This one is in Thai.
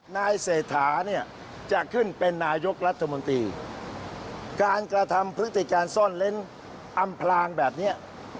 นายเสร็จถาจะขึ้นเป็นนายกรัฐมนตรี